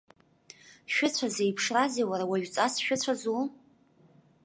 Шәыцәа зеиԥшрази уара, уаҩҵас шәыцәазу?